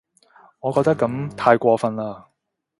我覺得噉太過份喇